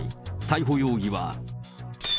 逮捕容疑は。